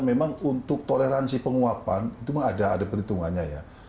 memang untuk toleransi penguapan itu ada perhitungannya